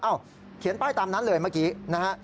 อ้าวเขียนป้ายตามนั้นเลยเมื่อกี้นะครับ